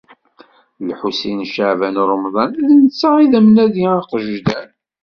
Lḥusin n Caɛban u Ṛemḍan, d netta i d amnadi agejdan.